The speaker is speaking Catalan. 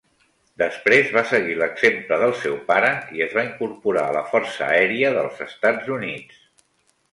Després va seguir l'exemple del seu pare i es va incorporar a la Força Aèria dels Estats Units.